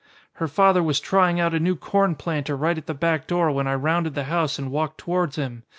"Her father was trying out a new corn planter right at the back door when I rounded the house and walked towards him.